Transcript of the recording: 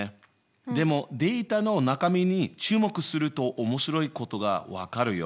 でもデータの中身に注目すると面白いことが分かるよ。